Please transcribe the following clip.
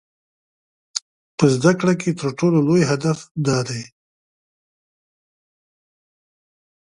په زده کړه کې تر ټولو لوی هدف دا دی.